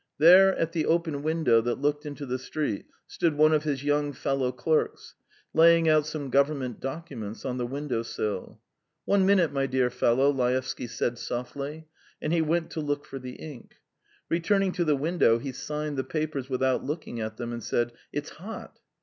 There, at the open window that looked into the street, stood one of his young fellow clerks, laying out some government documents on the window sill. "One minute, my dear fellow," Laevsky said softly, and he went to look for the ink; returning to the window, he signed the papers without looking at them, and said: "It's hot!"